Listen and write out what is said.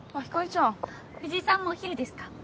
藤井さんもお昼ですか？